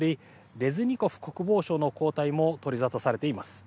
レズニコフ国防相の交代も取り沙汰されています。